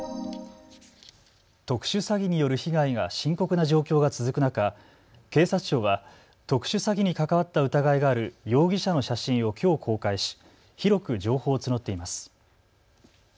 特殊詐欺による被害が深刻な状況が続く中、警察庁は特殊詐欺に関わった疑いがある容疑者の写真をきょう公開し広く情報を募っています。